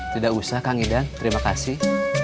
tidak usah kangidan terima kasih